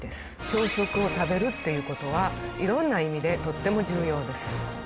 朝食を食べるっていうことはいろんな意味でとっても重要です。